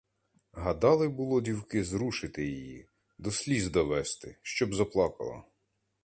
Гадали було дівки зрушити її, до сліз довести, щоб заплакала.